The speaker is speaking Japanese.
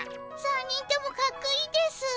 ３人ともかっこいいですぅ。